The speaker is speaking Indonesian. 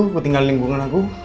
aku tinggalin lingkungan aku